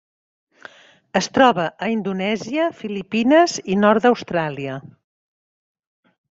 Es troba a Indonèsia, Filipines i nord d'Austràlia.